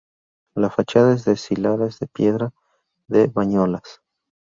La fachada es de sillares de piedra de Bañolas.